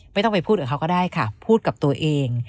ไม่ต้องไปพูดกับเขาก็ได้ค่ะพูดกับตัวเอง